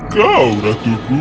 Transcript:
kau ratu ku